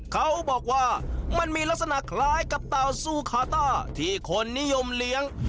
เขาบอกว่ามันมีลักษณะคล้ายกับเต่าซูคาต้าที่คนนิยมเลี้ยง